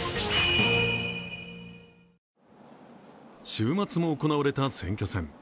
週末も行われた選挙戦。